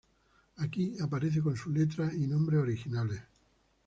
Aquí aparece con su letra y nombres originales.